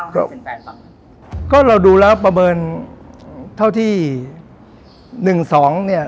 ก็เป็นแฟนบ้างก็เราดูแล้วประเมินเท่าที่หนึ่งสองเนี่ย